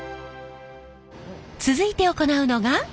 続いて行うのが。